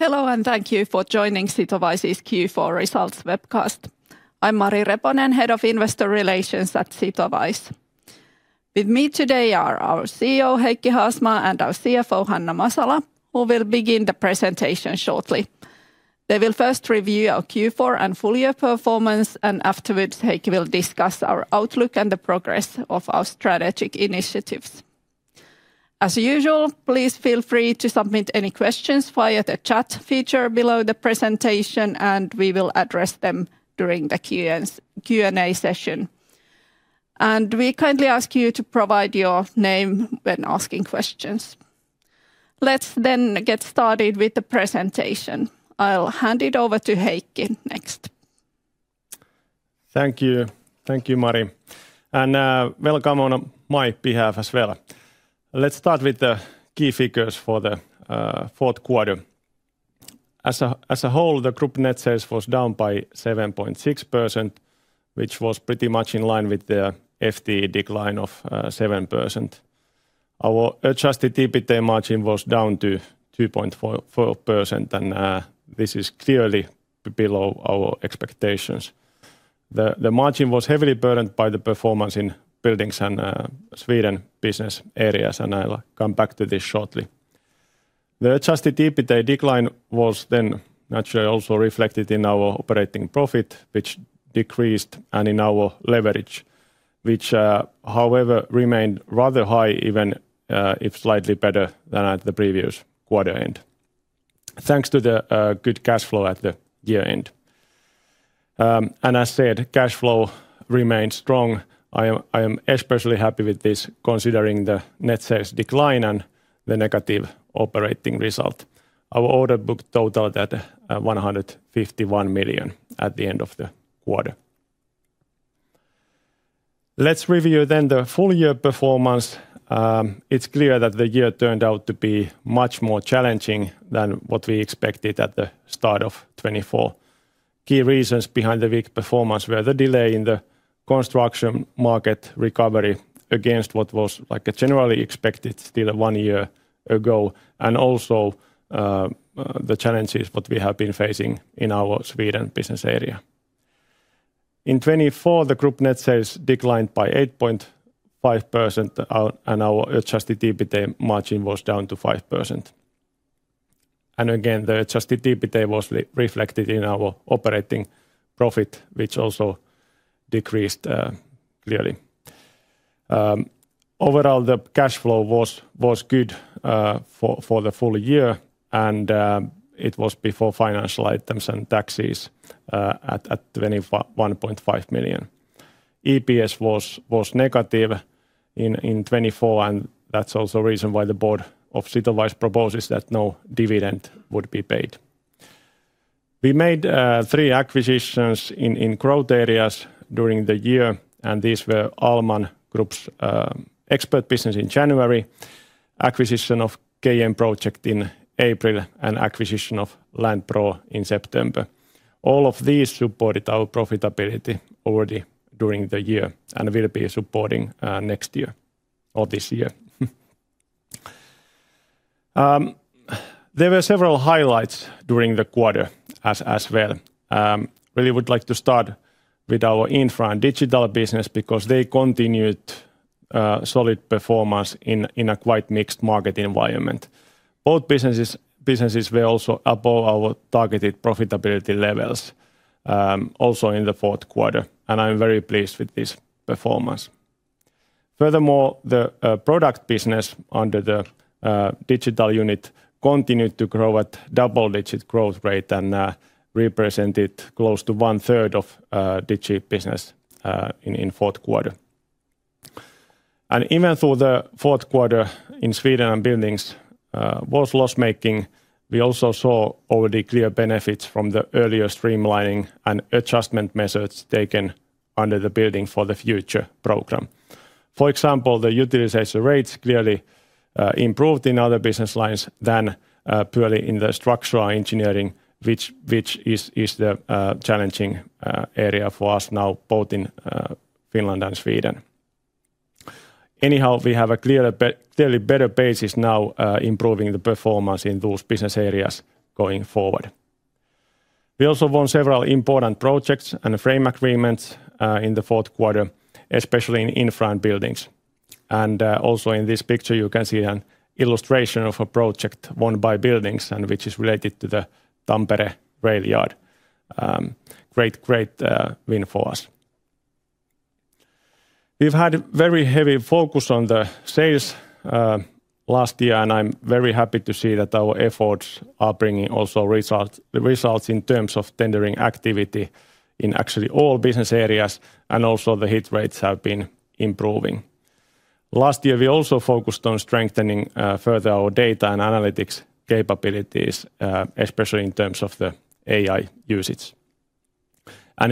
Hello and thank you for joining Sitowise's Q4 Results Webcast. I'm Mari Reponen, Head of Investor Relations at Sitowise. With me today are our CEO, Heikki Haasmaa, and our CFO, Hanna Masala, who will begin the presentation shortly. They will first review our Q4 and full-year performance, and afterwards Heikki will discuss our outlook and the progress of our strategic initiatives. As usual, please feel free to submit any questions via the chat feature below the presentation, and we will address them during the Q&A session. We kindly ask you to provide your name when asking questions. Let's then get started with the presentation. I'll hand it over to Heikki next. Thank you. Thank you, Mari. Welcome on my behalf as well. Let's start with the key figures for the fourth quarter. As a whole, the group net sales was down by 7.6%, which was pretty much in line with the FTE decline of 7%. Our adjusted EBITDA margin was down to 2.4%, and this is clearly below our expectations. The margin was heavily burdened by the performance in buildings and Sweden business areas, and I'll come back to this shortly. The adjusted EBITDA decline was then naturally also reflected in our operating profit, which decreased, and in our leverage, which, however, remained rather high, even if slightly better than at the previous quarter end, thanks to the good cash flow at the year end. As said, cash flow remained strong. I am especially happy with this considering the net sales decline and the negative operating result. Our order book totaled at 151 million at the end of the quarter. Let's review then the full-year performance. It's clear that the year turned out to be much more challenging than what we expected at the start of 2024. Key reasons behind the weak performance were the delay in the construction market recovery against what was like a generally expected still one year ago, and also the challenges that we have been facing in our Sweden business area. In 2024, the group net sales declined by 8.5%, and our adjusted EBITDA margin was down to 5%. Again, the adjusted EBITDA was reflected in our operating profit, which also decreased clearly. Overall, the cash flow was good for the full year, and it was before financial items and taxes at 21.5 million. EPS was negative in 2024, and that's also the reason why the board of Sitowise proposes that no dividend would be paid. We made three acquisitions in growth areas during the year, and these were Almann Group's expert business in January, acquisition of KM Project in April, and acquisition of LendPro in September. All of these supported our profitability already during the year and will be supporting next year or this year. There were several highlights during the quarter as well. I really would like to start with our infra and digital business because they continued solid performance in a quite mixed market environment. Both businesses were also above our targeted profitability levels also in the fourth quarter, and I'm very pleased with this performance. Furthermore, the product business under the digital unit continued to grow at double-digit growth rate and represented close to one-third of digi business in the fourth quarter. Even through the fourth quarter in Sweden and buildings was loss-making. We also saw already clear benefits from the earlier streamlining and adjustment measures taken under the building for the future program. For example, the utilization rates clearly improved in other business lines than purely in the structural engineering, which is the challenging area for us now, both in Finland and Sweden. Anyhow, we have a clearly better basis now improving the performance in those business areas going forward. We also won several important projects and frame agreements in the fourth quarter, especially in infra and buildings. Also in this picture, you can see an illustration of a project won by buildings and which is related to the Tampere Rail Yard. Great, great win for us. We've had a very heavy focus on the sales last year, and I'm very happy to see that our efforts are bringing also results in terms of tendering activity in actually all business areas, and also the hit rates have been improving. Last year, we also focused on strengthening further our data and analytics capabilities, especially in terms of the AI usage.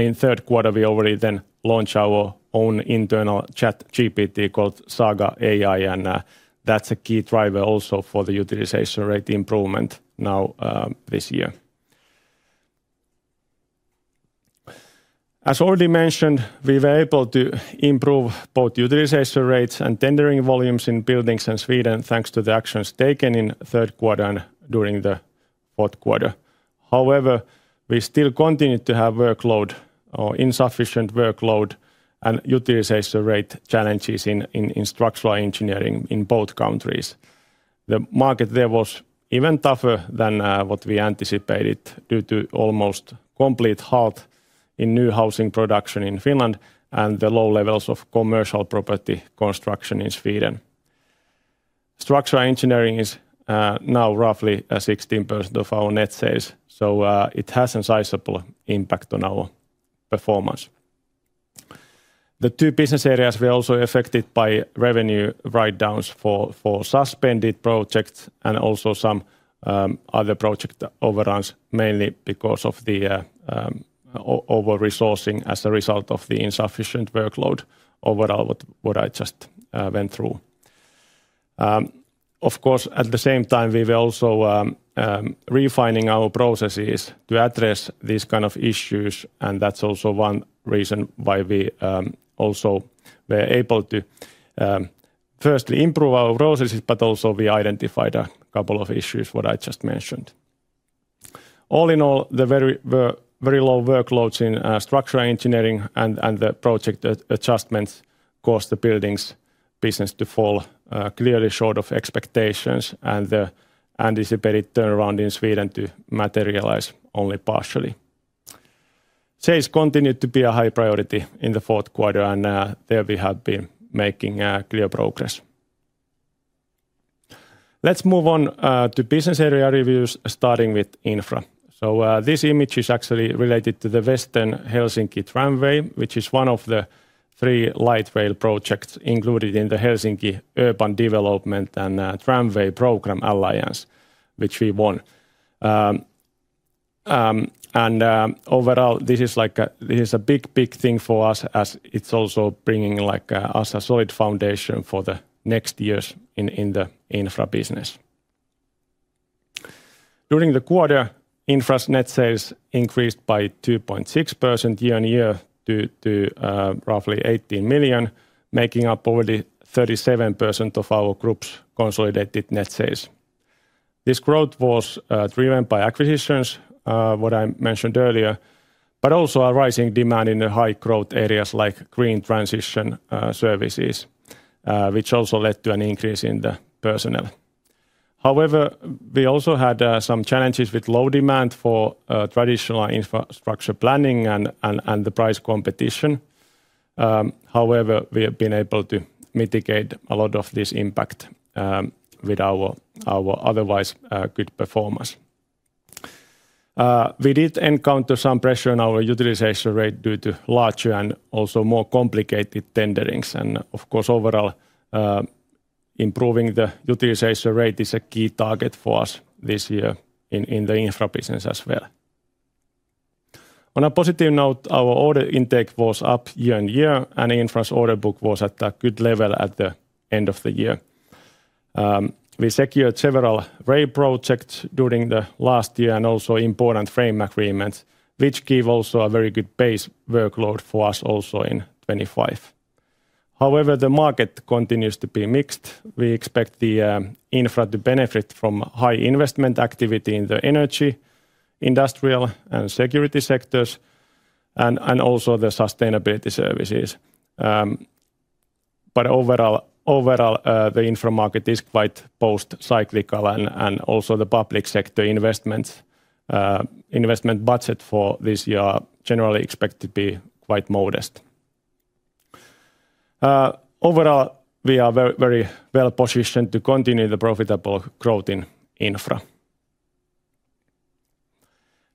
In third quarter, we already then launched our own internal ChatGPT called Saga AI, and that's a key driver also for the utilization rate improvement now this year. As already mentioned, we were able to improve both utilization rates and tendering volumes in buildings and Sweden thanks to the actions taken in third quarter and during the fourth quarter. However, we still continue to have workload, insufficient workload, and utilization rate challenges in structural engineering in both countries. The market there was even tougher than what we anticipated due to almost complete halt in new housing production in Finland and the low levels of commercial property construction in Sweden. Structural engineering is now roughly 16% of our net sales, so it has a sizable impact on our performance. The two business areas were also affected by revenue write-downs for suspended projects and also some other project overruns, mainly because of the over-resourcing as a result of the insufficient workload overall, what I just went through. Of course, at the same time, we were also refining our processes to address these kind of issues, and that's also one reason why we also were able to firstly improve our processes, but also we identified a couple of issues, what I just mentioned. All in all, the very low workloads in structural engineering and the project adjustments caused the buildings' business to fall clearly short of expectations, and the anticipated turnaround in Sweden to materialize only partially. Sales continued to be a high priority in the fourth quarter, and there we have been making clear progress. Let's move on to business area reviews, starting with infra. This image is actually related to the Western Helsinki Tramway, which is one of the three light rail projects included in the Helsinki Urban Development and Tramway Program Alliance, which we won. Overall, this is a big, big thing for us, as it's also bringing us a solid foundation for the next years in the infra business. During the quarter, infra's net sales increased by 2.6% year-on-year to roughly 18 million, making up already 37% of our group's consolidated net sales. This growth was driven by acquisitions, what I mentioned earlier, but also a rising demand in the high growth areas like green transition services, which also led to an increase in the personnel. However, we also had some challenges with low demand for traditional infrastructure planning and the price competition. However, we have been able to mitigate a lot of this impact with our otherwise good performance. We did encounter some pressure on our utilization rate due to larger and also more complicated tenderings, and of course, overall improving the utilization rate is a key target for us this year in the infra business as well. On a positive note, our order intake was up year-on-year, and infra's order book was at a good level at the end of the year. We secured several rail projects during the last year and also important frame agreements, which gave also a very good base workload for us also in 2025. However, the market continues to be mixed. We expect the infra to benefit from high investment activity in the energy, industrial, and security sectors, and also the sustainability services. Overall, the infra market is quite post-cyclical, and also the public sector investment budget for this year are generally expected to be quite modest. Overall, we are very well positioned to continue the profitable growth in infra.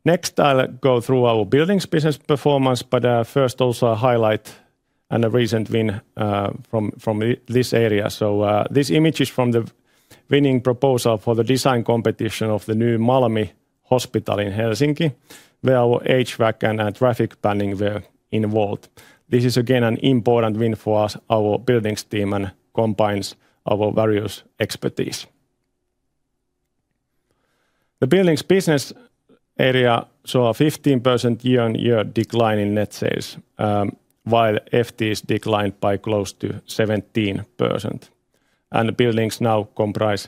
Next, I'll go through our buildings' business performance, but first also highlight a recent win from this area. This image is from the winning proposal for the design competition of the new Malmi Hospital in Helsinki, where our HVAC and traffic planning were involved. This is again an important win for our buildings team and combines our various expertise. The buildings business area saw a 15% year-on-year decline in net sales, while FTEs declined by close to 17%. Buildings now comprise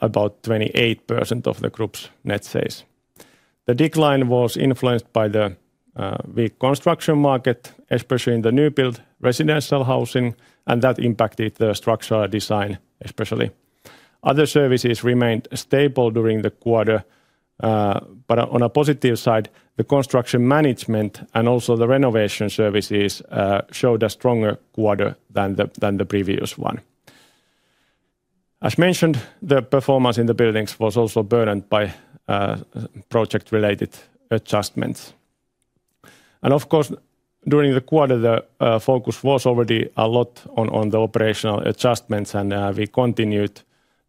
about 28% of the group's net sales. The decline was influenced by the weak construction market, especially in the new-built residential housing, and that impacted the structural design especially. Other services remained stable during the quarter. On a positive side, the construction management and also the renovation services showed a stronger quarter than the previous one. As mentioned, the performance in the buildings was also burdened by project-related adjustments. Of course, during the quarter, the focus was already a lot on the operational adjustments, and we continued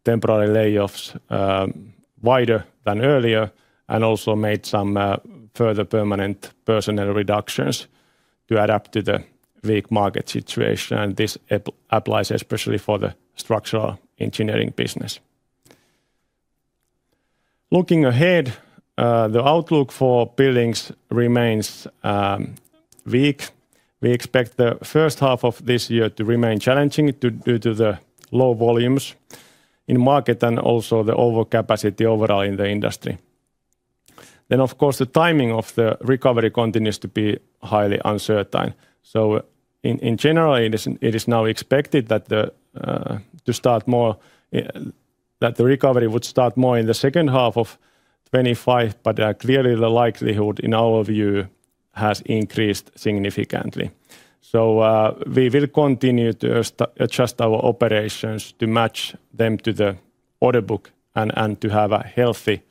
temporary layoffs wider than earlier and also made some further permanent personnel reductions to adapt to the weak market situation. This applies especially for the structural engineering business. Looking ahead, the outlook for buildings remains weak. We expect the first half of this year to remain challenging due to the low volumes in market and also the overcapacity overall in the industry. Of course, the timing of the recovery continues to be highly uncertain. In general, it is now expected that the recovery would start more in the second half of 2025, but clearly the likelihood in our view has increased significantly. We will continue to adjust our operations to match them to the order book and to have a healthy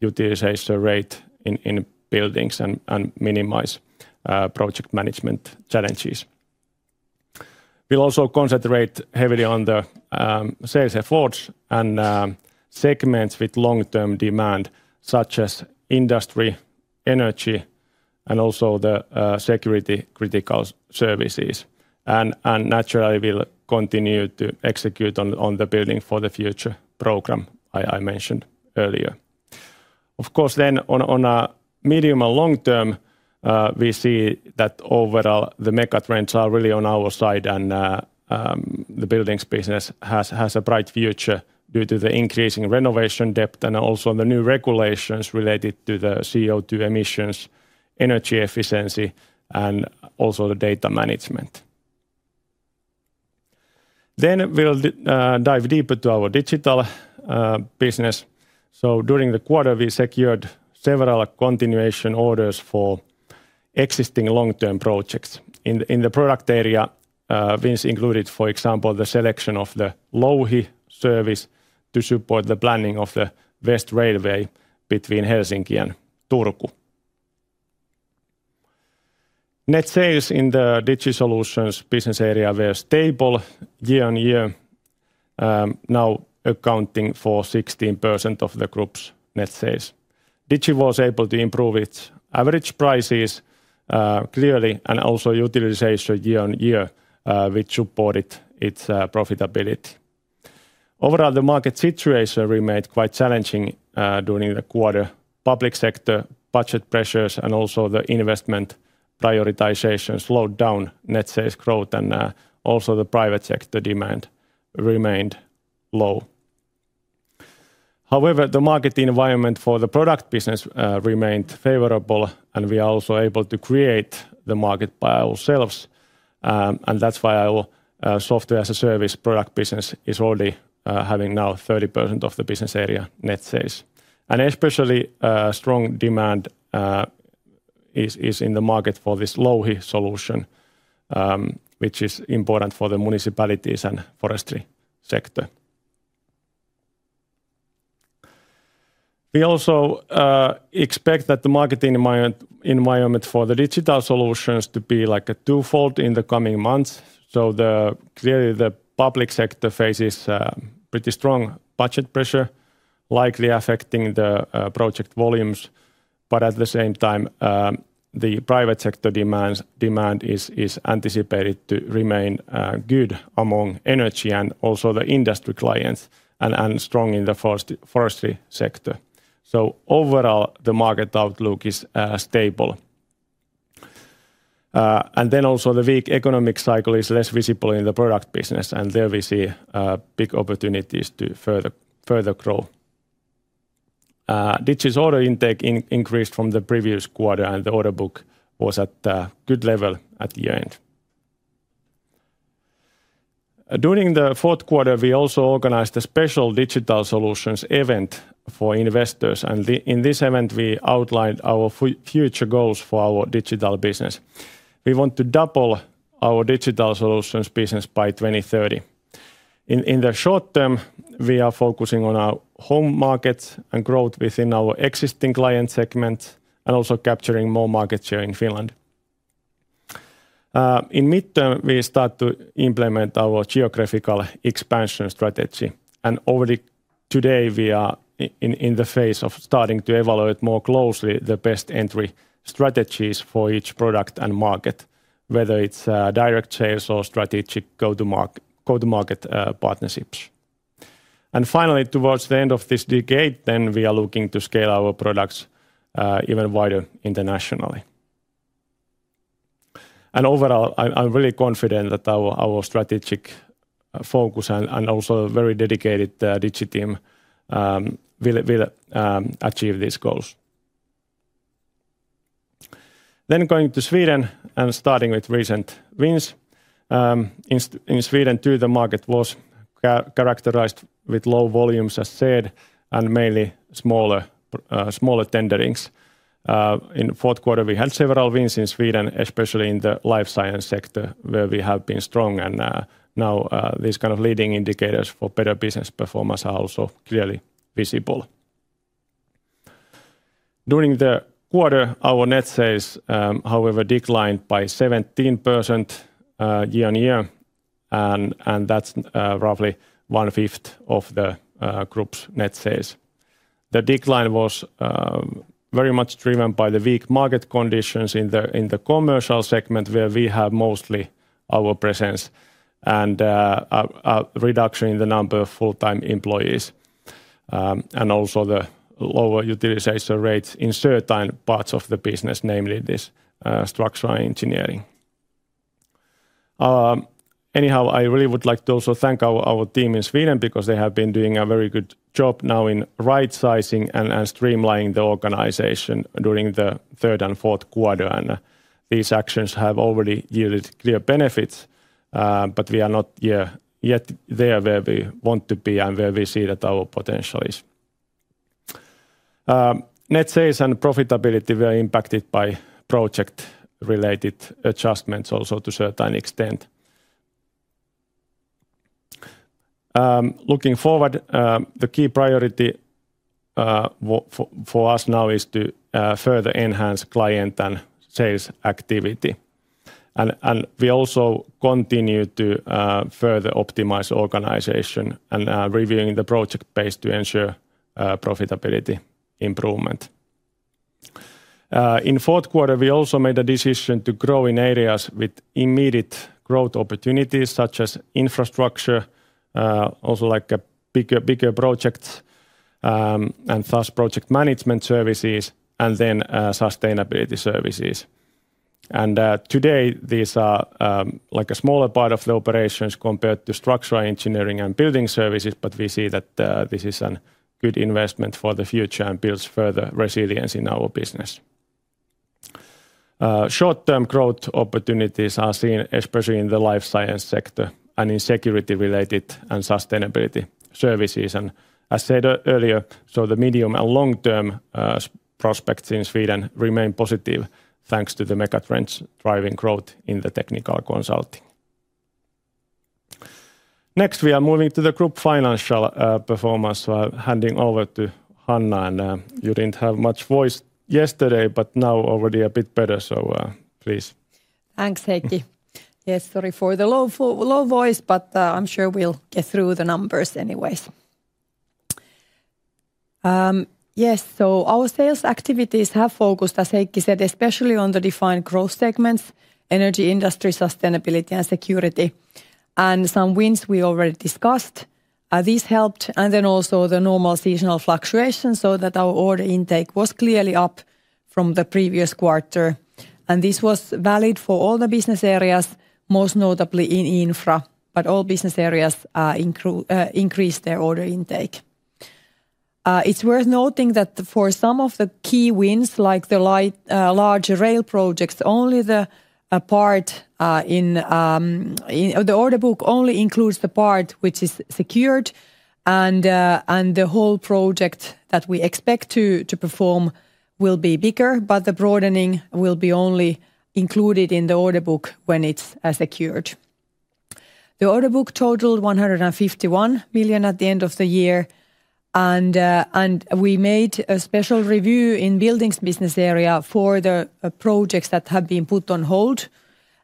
utilization rate in buildings and minimize project management challenges. We'll also concentrate heavily on the sales efforts and segments with long-term demand, such as industry, energy, and also the security-critical services. Naturally, we'll continue to execute on the building for the future program I mentioned earlier. Of course, on a medium and long term, we see that overall the mega trends are really on our side and the buildings business has a bright future due to the increasing renovation depth and also the new regulations related to the CO2 emissions, energy efficiency, and also the data management. We will dive deeper to our digital business. During the quarter, we secured several continuation orders for existing long-term projects. In the product area, Vince included, for example, the selection of the Louhi service to support the planning of the West Railway between Helsinki and Turku. Net sales in the Digital Solutions business area were stable year-on-year, now accounting for 16% of the group's net sales. Digi was able to improve its average prices clearly and also utilization year-on-year, which supported its profitability. Overall, the market situation remained quite challenging during the quarter. Public sector budget pressures and also the investment prioritization slowed down net-sales growth, and also the private sector demand remained low. However, the market environment for the product business remained favorable, and we are also able to create the market by ourselves. That is why our software as a service product business is already having now 30% of the business area net sales. Especially strong demand is in the market for this Louhi solution, which is important for the municipalities and forestry sector. We also expect that the market environment for the digital solutions to be like a twofold in the coming months. Clearly, the public sector faces pretty strong budget pressure, likely affecting the project volumes. At the same time, the private sector demand is anticipated to remain good among energy and also the industry clients and strong in the forestry sector. Overall, the market outlook is stable. The weak economic cycle is less visible in the product business, and there we see big opportunities to further grow. Digi's order intake increased from the previous quarter, and the order book was at a good level at the end. During the fourth quarter, we also organized a special digital solutions event for investors. In this event, we outlined our future goals for our digital business. We want to double our digital solutions business by 2030. In the short term, we are focusing on our home markets and growth within our existing client segments and also capturing more market share in Finland. In the midterm, we start to implement our geographical expansion strategy. Already today, we are in the phase of starting to evaluate more closely the best entry strategies for each product and market, whether it's direct sales or strategic go-to-market partnerships. Finally, towards the end of this decade, we are looking to scale our products even wider internationally. Overall, I'm really confident that our strategic focus and also a very dedicated Digi team will achieve these goals. Going to Sweden and starting with recent wins. In Sweden, too, the market was characterized with low volumes, as said, and mainly smaller tenderings. In the fourth quarter, we had several wins in Sweden, especially in the life science sector, where we have been strong. Now these kind of leading indicators for better business performance are also clearly visible. During the quarter, our net sales, however, declined by 17% year-on year, and that's roughly one fifth of the group's net sales. The decline was very much driven by the weak market conditions in the commercial segment, where we have mostly our presence, and a reduction in the number of full-time employees, and also the lower utilization rates in certain parts of the business, namely the structural engineering. I really would like to also thank our team in Sweden because they have been doing a very good job now in right-sizing and streamlining the organization during the third and fourth quarter. These actions have already yielded clear benefits, but we are not yet there where we want to be and where we see that our potential is. Net sales and profitability were impacted by project-related adjustments also to a certain extent. Looking forward, the key priority for us now is to further enhance client and sales activity. We also continue to further optimize organization and reviewing the project base to ensure profitability improvement. In the fourth quarter, we also made a decision to grow in areas with immediate growth opportunities, such as infrastructure, also like a bigger project, and thus project management services, and then sustainability services. Today, these are like a smaller part of the operations compared to structural engineering and building services, but we see that this is a good investment for the future and builds further resilience in our business. Short-term growth opportunities are seen especially in the life science sector and in security-related and sustainability services. As said earlier, the medium and long-term prospects in Sweden remain positive thanks to the mega trends driving growth in the technical consulting. Next, we are moving to the group financial performance. I'm handing over to Hanna. And you didn't have much voice yesterday, but now already a bit better, so please. Thanks, Heikki. Yes, sorry for the low voice, but I'm sure we'll get through the numbers anyways. Yes, our sales activities have focused, as Heikki said, especially on the defined growth segments: energy, industry, sustainability, and security. Some wins we already discussed. These helped, and then also the normal seasonal fluctuation, so that our order intake was clearly up from the previous quarter. This was valid for all the business areas, most notably in infra, but all business areas increased their order intake. It's worth noting that for some of the key wins, like the large rail projects, the order book only includes the part which is secured, and the whole project that we expect to perform will be bigger, but the broadening will be only included in the order book when it's secured. The order book totaled 151 million at the end of the year, and we made a special review in the buildings business area for the projects that have been put on hold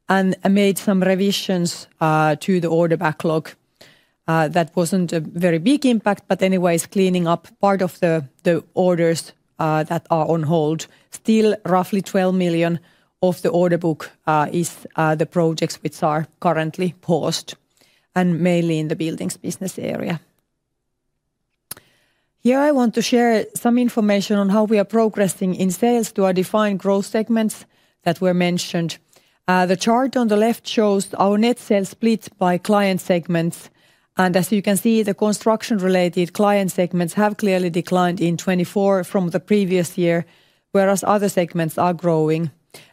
and made some revisions to the order backlog. That was not a very big impact, but anyway, cleaning up part of the orders that are on hold. Still, roughly 12 million of the order book is the projects which are currently paused, and mainly in the buildings business area. Here I want to share some information on how we are progressing in sales to our defined growth segments that were mentioned. The chart on the left shows our net sales split by client segments. As you can see, the construction-related client segments have clearly declined in 2024 from the previous year, whereas other segments are growing.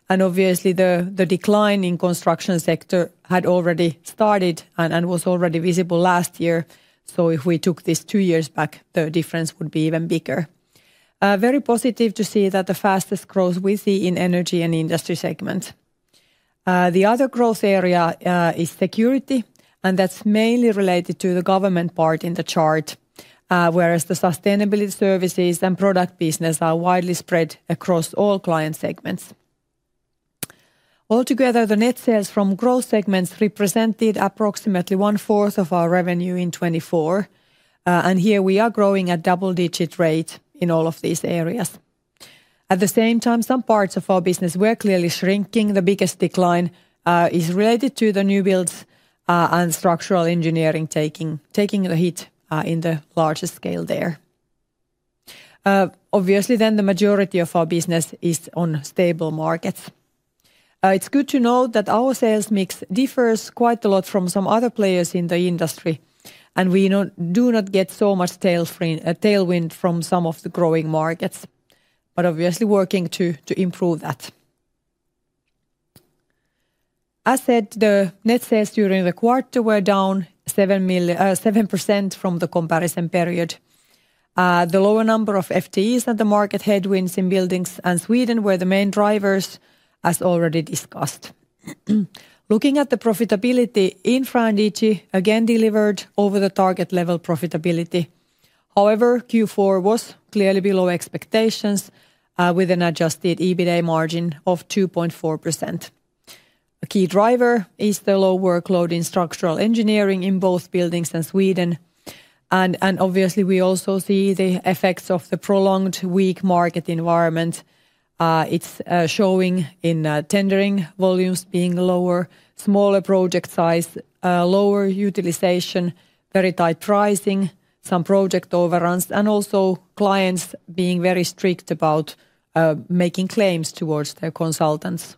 Obviously, the decline in the construction sector had already started and was already visible last year. If we took this two years back, the difference would be even bigger. Very positive to see that the fastest growth we see is in energy and industry segments. The other growth area is security, and that is mainly related to the government part in the chart, whereas the sustainability services and product business are widely spread across all client segments. Altogether, the net sales from growth segments represented approximately one fourth of our revenue in 2024. Here we are growing at double-digit rates in all of these areas. At the same time, some parts of our business were clearly shrinking. The biggest decline is related to the new builds and structural engineering taking the hit in the larger scale there. Obviously, the majority of our business is on stable markets. It's good to note that our sales mix differs quite a lot from some other players in the industry, and we do not get so much tailwind from some of the growing markets, but obviously working to improve that. As said, the net sales during the quarter were down 7% from the comparison period. The lower number of FTEs and the market headwinds in buildings and Sweden were the main drivers, as already discussed. Looking at the profitability, Infra and Digi again delivered over the target level profitability. However, Q4 was clearly below expectations with an adjusted EBITDA margin of 2.4%. A key driver is the low workload in structural engineering in both buildings and Sweden. Obviously, we also see the effects of the prolonged weak market environment. It is showing in tendering volumes being lower, smaller project size, lower utilization, very tight pricing, some project overruns, and also clients being very strict about making claims towards their consultants.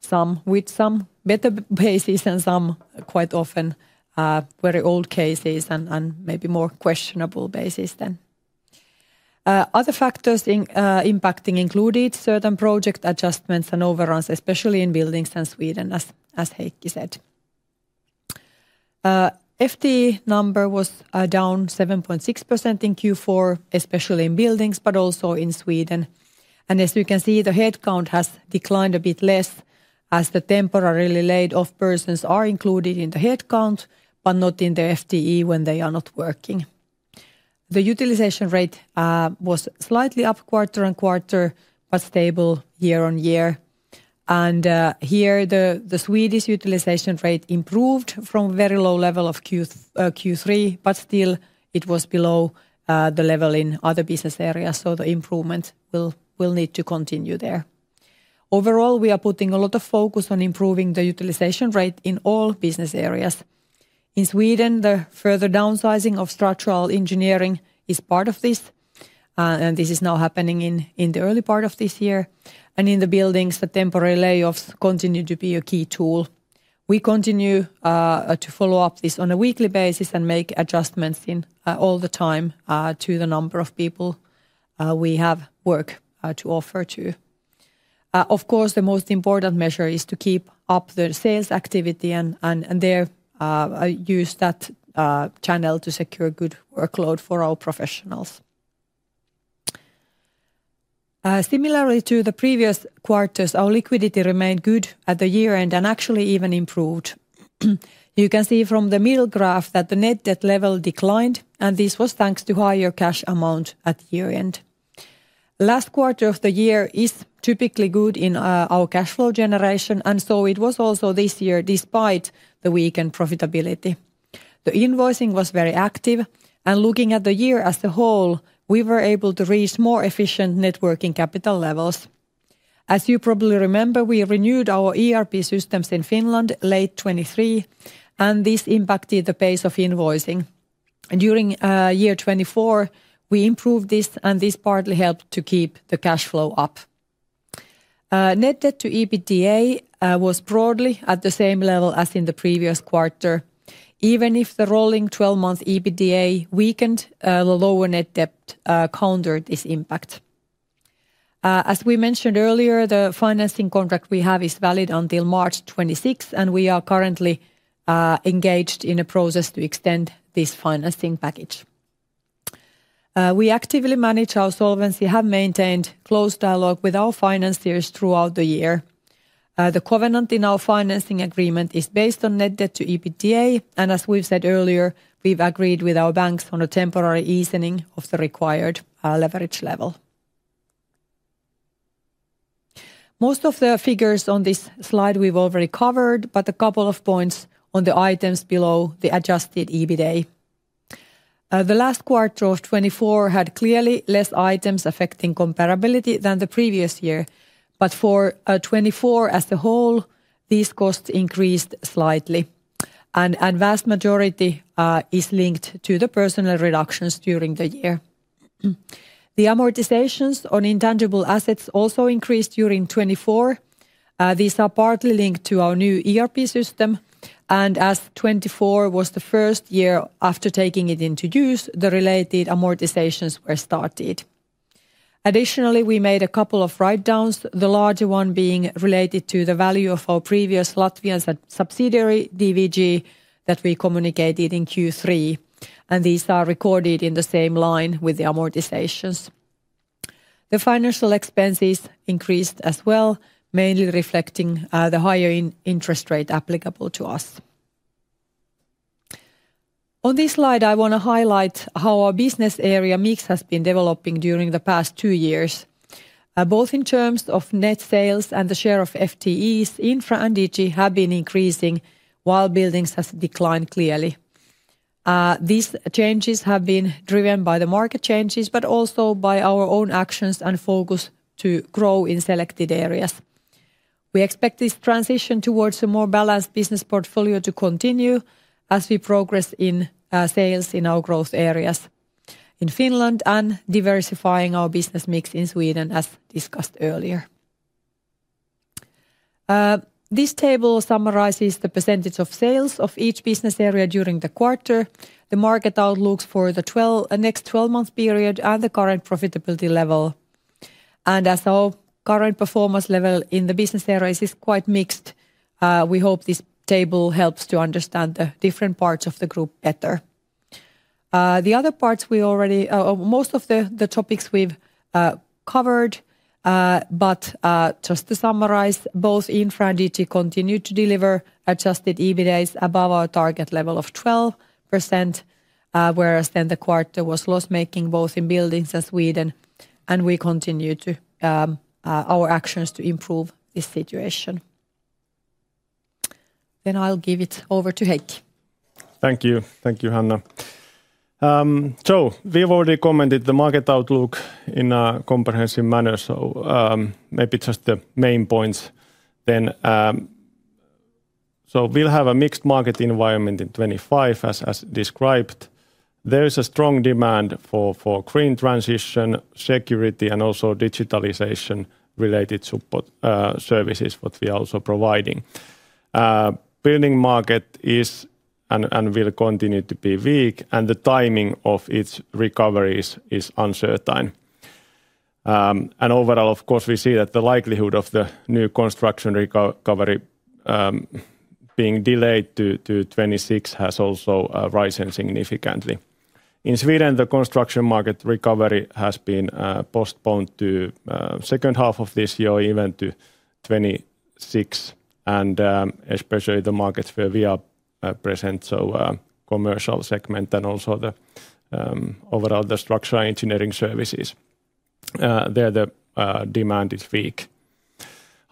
Some with some better basis and some quite often very old cases and maybe more questionable basis then. Other factors impacting included certain project adjustments and overruns, especially in buildings and Sweden, as Heikki said. FTE number was down 7.6% in Q4, especially in buildings, but also in Sweden. As you can see, the headcount has declined a bit less as the temporarily laid-off persons are included in the headcount, but not in the FTE when they are not working. The utilization rate was slightly up quarter on quarter, but stable year-on-year. Here the Swedish utilization rate improved from a very low level of Q3, but still it was below the level in other business areas, so the improvement will need to continue there. Overall, we are putting a lot of focus on improving the utilization rate in all business areas. In Sweden, the further downsizing of structural engineering is part of this, and this is now happening in the early part of this year. In the buildings, the temporary layoffs continue to be a key tool. We continue to follow up this on a weekly basis and make adjustments all the time to the number of people we have work to offer to. Of course, the most important measure is to keep up the sales activity and there use that channel to secure good workload for our professionals. Similarly to the previous quarters, our liquidity remained good at the year-end and actually even improved. You can see from the middle graph that the net debt level declined, and this was thanks to higher cash amount at year-end. Last quarter of the year is typically good in our cash flow generation, and it was also this year despite the weakened profitability. The invoicing was very active, and looking at the year as a whole, we were able to reach more efficient networking capital levels. As you probably remember, we renewed our ERP systems in Finland late 2023, and this impacted the pace of invoicing. During year 2024, we improved this, and this partly helped to keep the cash flow up. Net debt to EBITDA was broadly at the same level as in the previous quarter, even if the rolling 12-month EBITDA weakened, the lower net debt countered this impact. As we mentioned earlier, the financing contract we have is valid until March 26, and we are currently engaged in a process to extend this financing package. We actively manage our solvency, have maintained close dialogue with our financiers throughout the year. The covenant in our financing agreement is based on net debt to EBITDA, and as we've said earlier, we've agreed with our banks on a temporary easing of the required leverage level. Most of the figures on this slide we've already covered, but a couple of points on the items below the adjusted EBITDA. The last quarter of 2024 had clearly less items affecting comparability than the previous year, but for 2024 as a whole, these costs increased slightly, and the vast majority is linked to the personnel reductions during the year. The amortizations on intangible assets also increased during 2024. These are partly linked to our new ERP system, and as 2024 was the first year after taking it into use, the related amortizations were started. Additionally, we made a couple of write-downs, the larger one being related to the value of our previous Latvian subsidiary, DVG, that we communicated in Q3, and these are recorded in the same line with the amortizations. The financial expenses increased as well, mainly reflecting the higher interest rate applicable to us. On this slide, I want to highlight how our business area mix has been developing during the past two years. Both in terms of net sales and the share of FTEs, Infra and Digi have been increasing, while buildings have declined clearly. These changes have been driven by the market changes, but also by our own actions and focus to grow in selected areas. We expect this transition towards a more balanced business portfolio to continue as we progress in sales in our growth areas in Finland and diversifying our business mix in Sweden, as discussed earlier. This table summarizes the percentage of sales of each business area during the quarter, the market outlooks for the next 12-month period, and the current profitability level. As our current performance level in the business areas is quite mixed, we hope this table helps to understand the different parts of the group better. The other parts we already, most of the topics we've covered, but just to summarize, both Infra and Digi continue to deliver adjusted EBITDAs above our target level of 12%, whereas the quarter was loss-making both in buildings and Sweden, and we continue our actions to improve this situation. I will give it over to Heikki. Thank you. Thank you, Hanna. We have already commented on the market outlook in a comprehensive manner, so maybe just the main points then. We will have a mixed market environment in 2025, as described. There is a strong demand for green transition, security, and also digitalization-related support services, which we are also providing. Building market is and will continue to be weak, and the timing of its recovery is uncertain. Overall, of course, we see that the likelihood of the new construction recovery being delayed to 2026 has also risen significantly. In Sweden, the construction market recovery has been postponed to the second half of this year, even to 2026, and especially the markets where we are present, so the commercial segment and also overall the structural engineering services. There, the demand is weak.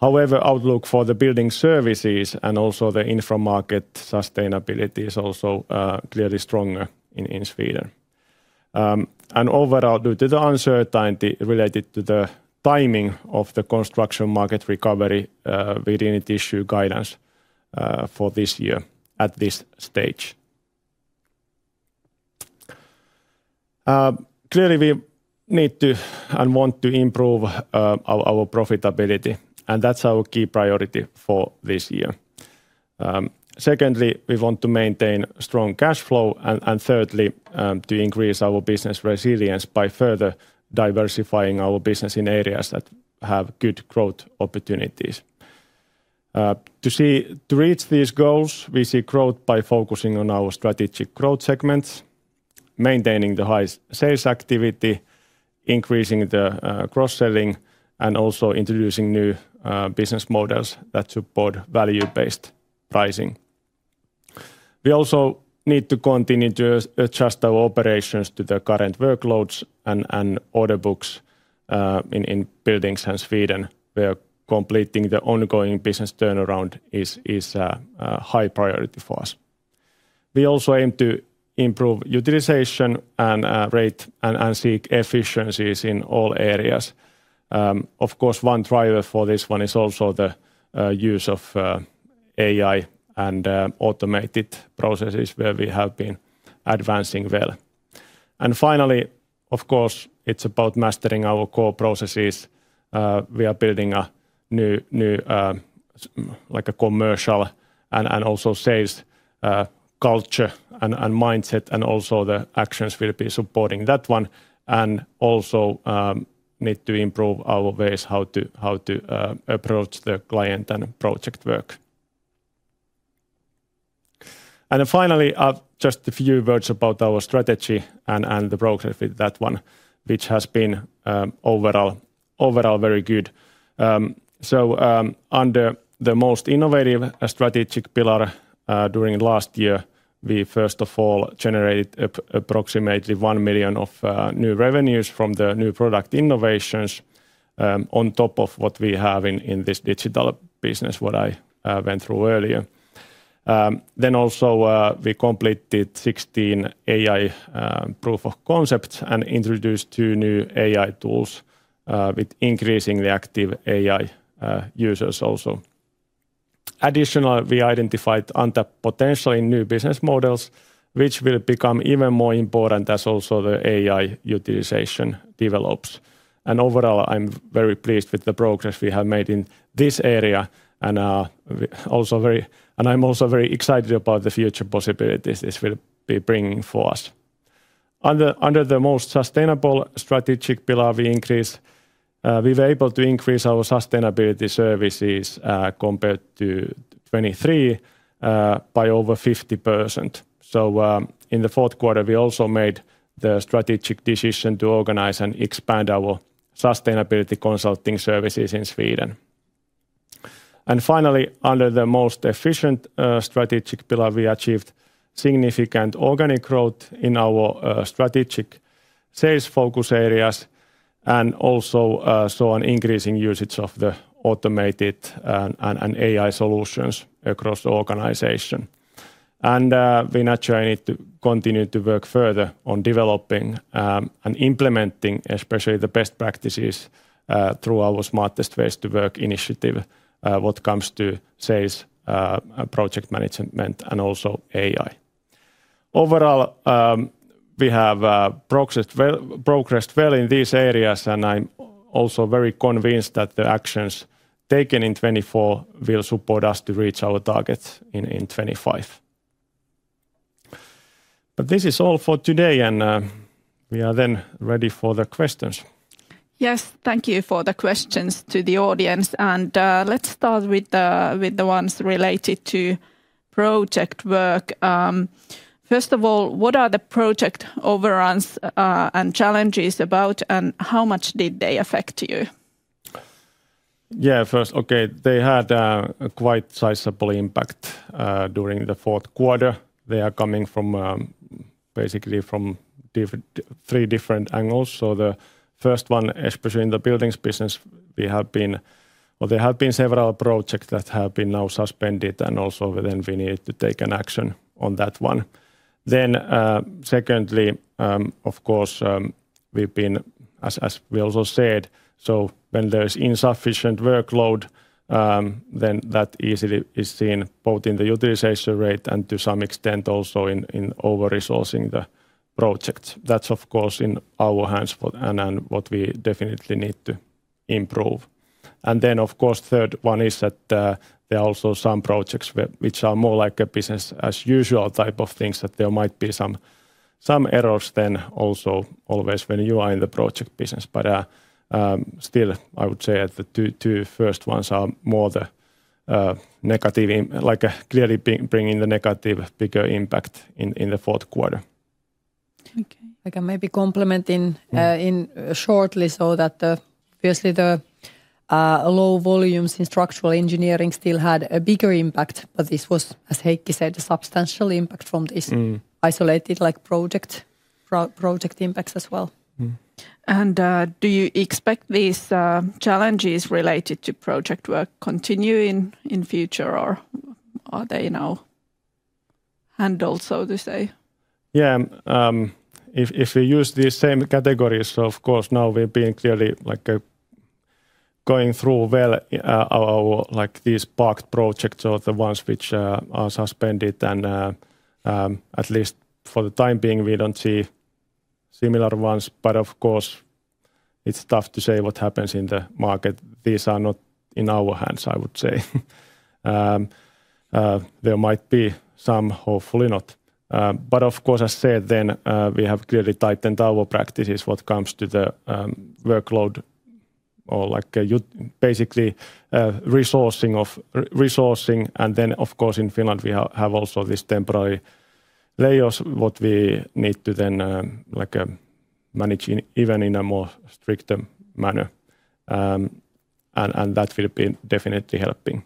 However, the outlook for the building services and also the infra market sustainability is also clearly stronger in Sweden. Overall, due to the uncertainty related to the timing of the construction market recovery, we really need issue guidance for this year at this stage. Clearly, we need to and want to improve our profitability, and that's our key priority for this year. Secondly, we want to maintain strong cash flow, and thirdly, to increase our business resilience by further diversifying our business in areas that have good growth opportunities. To reach these goals, we see growth by focusing on our strategic growth segments, maintaining the high sales activity, increasing the cross-selling, and also introducing new business models that support value-based pricing. We also need to continue to adjust our operations to the current workloads and order books in buildings and Sweden, where completing the ongoing business turnaround is a high priority for us. We also aim to improve utilization and rate and seek efficiencies in all areas. Of course, one driver for this one is also the use of AI and automated processes, where we have been advancing well. Finally, of course, it's about mastering our core processes. We are building a new, like a commercial and also sales culture and mindset, and also the actions will be supporting that one. We also need to improve our ways how to approach the client and project work. Finally, just a few words about our strategy and the progress with that one, which has been overall very good. Under the most innovative strategic pillar during last year, we first of all generated approximately 1 million of new revenues from the new product innovations on top of what we have in this digital business, what I went through earlier. We also completed 16 AI proof of concepts and introduced two new AI tools with increasingly active AI users also. Additionally, we identified untapped potential in new business models, which will become even more important as also the AI utilization develops. Overall, I'm very pleased with the progress we have made in this area, and I'm also very excited about the future possibilities this will be bringing for us. Under the most sustainable strategic pillar, we were able to increase our sustainability services compared to 2023 by over 50%. In the fourth quarter, we also made the strategic decision to organize and expand our sustainability consulting services in Sweden. Finally, under the most efficient strategic pillar, we achieved significant organic growth in our strategic sales focus areas and also saw an increasing usage of the automated and AI solutions across the organization. We naturally need to continue to work further on developing and implementing, especially the best practices through our Smartest Ways to Work initiative when it comes to sales project management and also AI. Overall, we have progressed well in these areas, and I'm also very convinced that the actions taken in 2024 will support us to reach our targets in 2025. This is all for today, and we are then ready for the questions. Yes, thank you for the questions to the audience. Let's start with the ones related to project work. First of all, what are the project overruns and challenges about, and how much did they affect you? Yeah, first, they had a quite sizable impact during the fourth quarter. They are coming from basically from three different angles. The first one, especially in the buildings business, we have been, or there have been several projects that have been now suspended, and also then we needed to take an action on that one. Of course, we've been, as we also said, when there is insufficient workload, that easily is seen both in the utilization rate and to some extent also in over-resourcing the projects. That is, of course, in our hands and what we definitely need to improve. The third one is that there are also some projects which are more like a business-as-usual type of things, that there might be some errors then also always when you are in the project business. Still, I would say that the two first ones are more the negative, like clearly bringing the negative bigger impact in the fourth quarter. Okay. I can maybe complement in shortly so that obviously the low volumes in structural engineering still had a bigger impact, but this was, as Heikki said, a substantial impact from this isolated project impacts as well. Do you expect these challenges related to project work continuing in the future, or are they now handled, so to say? Yeah, if we use these same categories, of course, now we've been clearly going through well these parked projects or the ones which are suspended, and at least for the time being, we don't see similar ones. Of course, it's tough to say what happens in the market. These are not in our hands, I would say. There might be some, hopefully not. As said then, we have clearly tightened our practices what comes to the workload or like basically resourcing. In Finland, we have also these temporary layers what we need to then manage even in a more stricter manner. That will be definitely helping.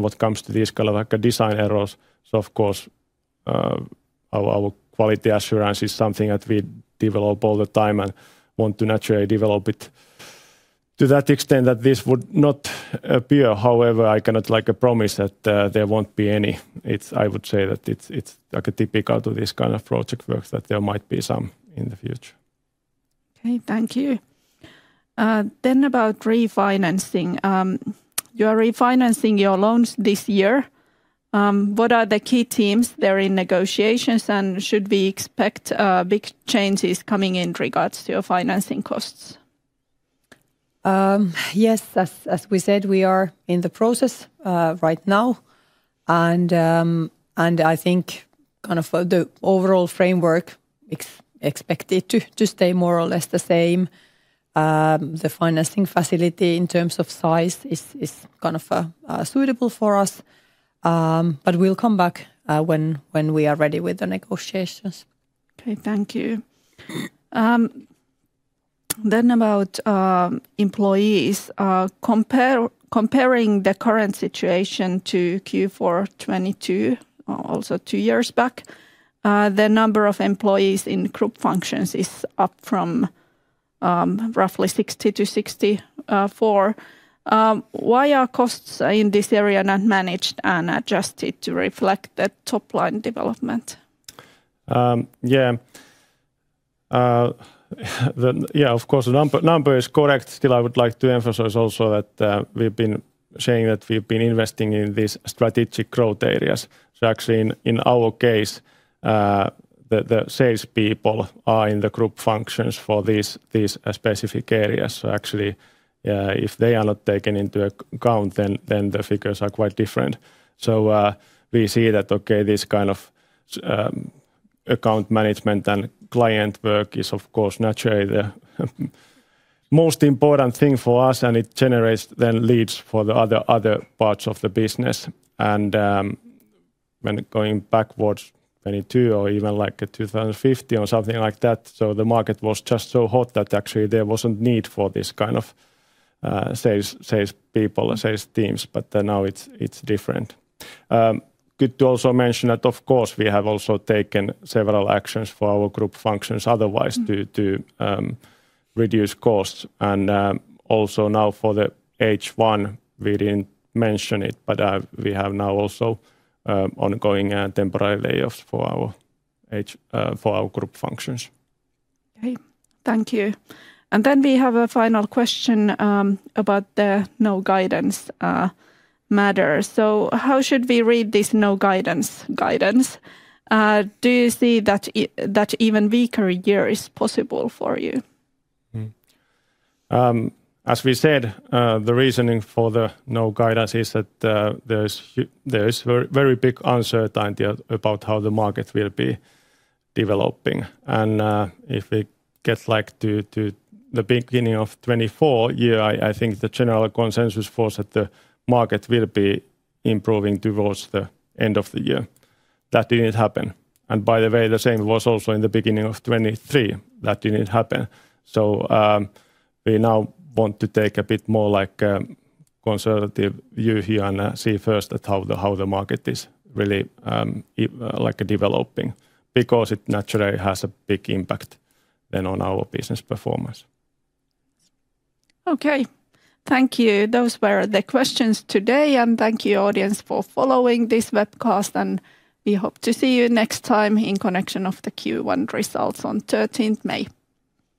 What comes to these kind of design errors, of course, our quality assurance is something that we develop all the time and want to naturally develop it to that extent that this would not appear. However, I cannot promise that there won't be any. I would say that it's typical to this kind of project work that there might be some in the future. Okay, thank you. About refinancing. You are refinancing your loans this year. What are the key themes there in negotiations, and should we expect big changes coming in regards to your financing costs? Yes, as we said, we are in the process right now. I think kind of the overall framework is expected to stay more or less the same. The financing facility in terms of size is kind of suitable for us. We'll come back when we are ready with the negotiations. Okay, thank you. About employees, comparing the current situation to Q4 2022, also two years back, the number of employees in group functions is up from roughly 60 to 64. Why are costs in this area not managed and adjusted to reflect that top-line development? Yeah, of course, the number is correct. Still, I would like to emphasize also that we've been saying that we've been investing in these strategic growth areas. Actually, in our case, the salespeople are in the group functions for these specific areas. Actually, if they are not taken into account, then the figures are quite different. We see that this kind of account management and client work is, of course, naturally the most important thing for us, and it generates then leads for the other parts of the business. When going backwards, 2022 or even like 2015 or something like that, the market was just so hot that actually there was not need for this kind of salespeople, sales teams, but now it is different. Good to also mention that, of course, we have also taken several actions for our group functions otherwise to reduce costs. Also now for the H1, we did not mention it, but we have now also ongoing temporary layoffs for our group functions. Okay, thank you. We have a final question about the no-guidance matter. How should we read this no-guidance guidance? Do you see that even weaker year is possible for you? As we said, the reasoning for the no-guidance is that there is very big uncertainty about how the market will be developing. If we get to the beginning of 2024, I think the general consensus was that the market will be improving towards the end of the year. That did not happen. By the way, the same was also in the beginning of 2023; that did not happen. We now want to take a bit more conservative view here and see first at how the market is really developing because it naturally has a big impact then on our business performance. Okay, thank you. Those were the questions today, and thank you, audience, for following this webcast, and we hope to see you next time in connection of the Q1 results on 13 May.